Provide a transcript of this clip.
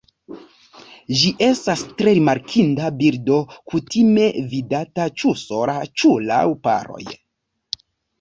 Ĝi estas tre rimarkinda birdo kutime vidata ĉu sola ĉu laŭ paroj.